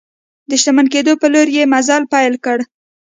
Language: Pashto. د شتمن کېدو په لور یې مزل پیل کړ.